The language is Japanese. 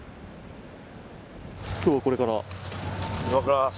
今日はこれから？